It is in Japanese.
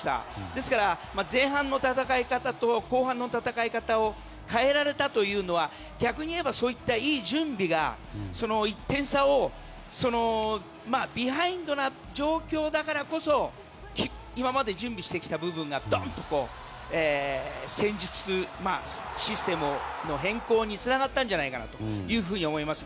ですから、前半の戦い方と後半の戦い方を変えられたというのは逆に言えばいい準備がその１点差をビハインドな状況だからこそ今まで準備してきた部分がどんと戦術、システムの変更につながったんじゃないかと思います。